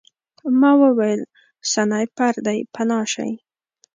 ما وویل سنایپر دی پناه شئ